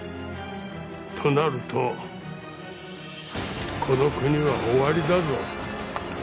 となるとこの国は終わりだぞ。